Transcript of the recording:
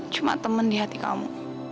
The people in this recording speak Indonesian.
cuma teman di hati kamu